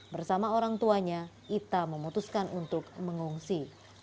bersama orang tuanya ita memutuskan untuk mengungsi